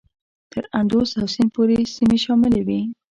تر اندوس او سیند پورې سیمې شاملي وې.